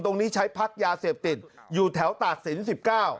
ตรงนี้ใช้พักยาเสพติดอยู่แถวตากศิลป์สิบเก้า